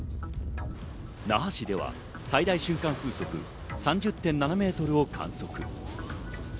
那覇市では最大瞬間風速３０．７メートルを観測。